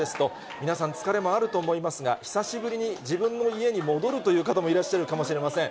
皆さん、疲れもあると思いますが、久しぶりに自分の家に戻るという方もいらっしゃるかもしれません。